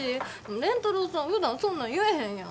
蓮太郎さんふだんそんなん言えへんやん。